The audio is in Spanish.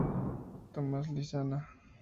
Tomás Lizana